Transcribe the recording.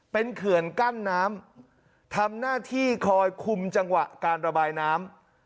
เป็นเขื่อนกั้นน้ำทำหน้าที่คอยคุมจังหวะการระบายน้ำ